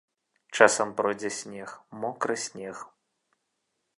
Часам пройдзе снег, мокры снег.